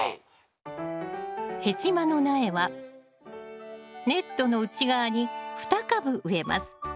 ヘチマの苗はネットの内側に２株植えます。